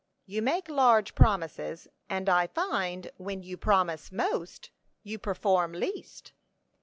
"You make large promises; and I find when you promise most, you perform least."